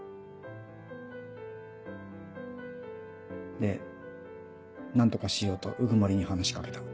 で何とかしようと鵜久森に話しかけた。